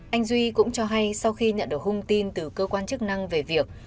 anh duy cũng cho hay sau khi nhận được hung tin từ cơ quan chức năng về việc